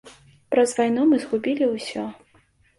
Праз вайну мы згубілі ўсё.